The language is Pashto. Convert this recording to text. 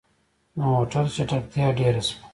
د موټر چټکتيا ډيره شوه.